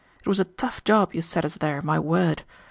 It was a tough job you set us there, my word!